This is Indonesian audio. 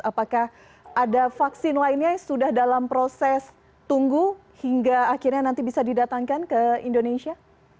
apakah ada vaksin lainnya yang sudah dalam proses tunggu hingga akhirnya nanti bisa didatangkan ke indonesia